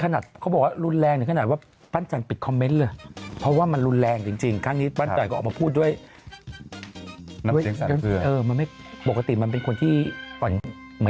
แต่รึ๊บจะเป็นคนที่อ่อนโยนมากนะ